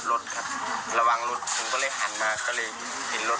อ๋อแล้วส่วนน้องผู้ชายเห็นเอกราชอย่างไรบ้างลูก